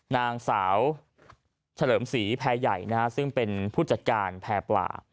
นางสาวเฉลิมศรีแพรใหญ่นะฮะซึ่งเป็นผู้จัดการแพร่ปลา